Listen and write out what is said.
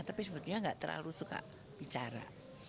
tapi sebetulnya nggak terlalu suka bicara